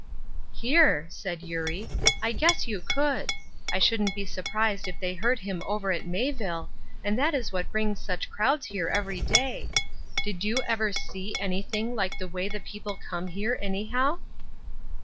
"Hear!" said Eurie, "I guess you could. I shouldn't be surprised if they heard him over at Mayville, and that is what brings such crowds here every day. Did you ever see anything like the way the people come here, anyhow?"